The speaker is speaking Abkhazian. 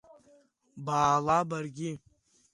Баала баргьы.